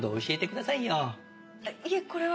いえこれは。